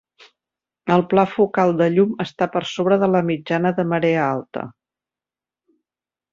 El pla focal de llum està per sobre de la mitjana de marea alta.